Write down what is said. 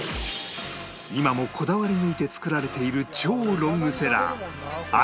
今もこだわり抜いて作られている超ロングセラー赤いきつね